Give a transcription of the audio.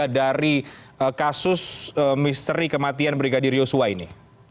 dari kasus misteri kematian brigadir yosua ini